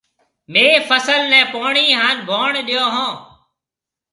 ميه فصل نَي پوڻِي هانَ ڀوڻ ڏئيو هون۔